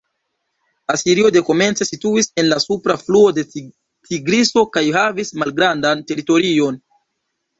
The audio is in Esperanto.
Asirio dekomence situis en la supra fluo de Tigriso kaj havis malgrandan teritorion.